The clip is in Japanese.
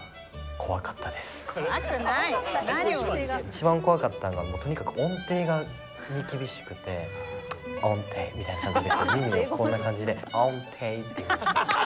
一番怖かったのがとにかく音程に厳しくて「オンテイ」みたいな感じで耳をこんな感じで「オンテイ」って言うんですよ。